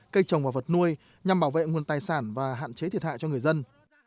cây trồng và vật nuôi nhằm bảo vệ nguồn tài sản và hạn chế thiệt hại cho người dân